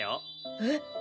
えっ？